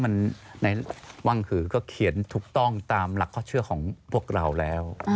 มันในวังหือก็เขียนถูกต้องตามหลักข้อเชื่อของพวกเราแล้ว